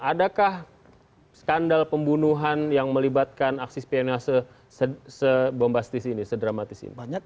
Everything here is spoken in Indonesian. adakah skandal pembunuhan yang melibatkan aksi pnl se bombastis ini se dramatis ini